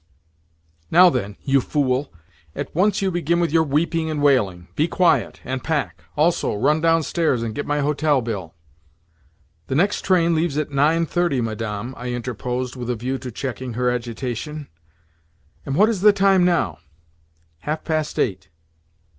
"Now then, you fool! At once you begin with your weeping and wailing! Be quiet, and pack. Also, run downstairs, and get my hotel bill." "The next train leaves at 9:30, Madame," I interposed, with a view to checking her agitation. "And what is the time now?" "Half past eight."